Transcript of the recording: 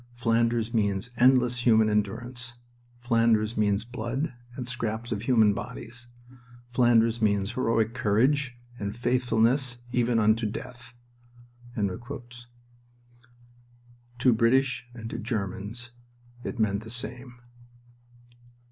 Flanders means endless human endurance. Flanders means blood and scraps of human bodies. Flanders means heroic courage and faithfulness even unto death." To British and to Germans it meant the same.